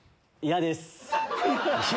嫌です。